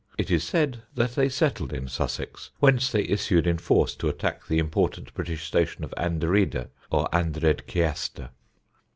It is said that they settled in Sussex, whence they issued in force to attack the important British station of Anderida or Andredceaster.